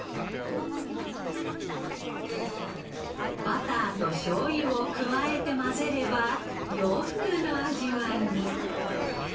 バターとしょうゆを加えて混ぜれば洋風の味わいに。